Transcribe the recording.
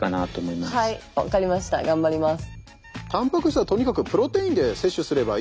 はい分かりました頑張ります。